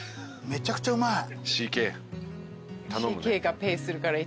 めちゃくちゃうまい。